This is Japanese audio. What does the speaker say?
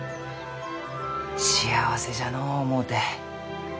幸せじゃのう思うて。